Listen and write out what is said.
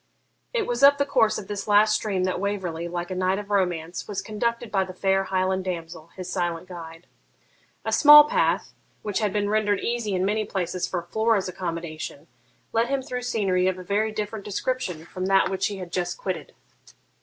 It was up the course of this last stream that Waverley, like a knight of romance, was conducted by the fair Highland damsel, his silent guide. A small path, which had been rendered easy in many places for Flora's accommodation, led him through scenery of a very different description from that which he had just quitted.